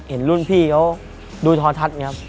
เห็นรุ่นพี่เขาดูทอทัศน์ไงครับ